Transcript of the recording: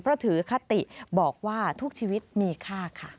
เพราะถือคติบอกว่าทุกชีวิตมีค่าค่ะ